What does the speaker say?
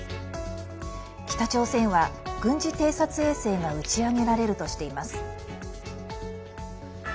北朝鮮は軍事偵察衛星が打ち上げられるとしています。